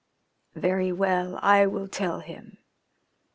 "Very well, I will tell him.